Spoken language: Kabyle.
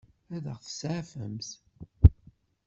Ad ɣ-tseɛfemt?